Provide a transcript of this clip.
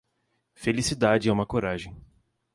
Felicidade é uma coragem.